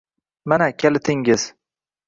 Mana kalitingiz.